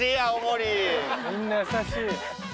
みんな優しい。